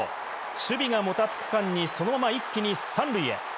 守備がもたつく間にそのまま一気に三塁へ。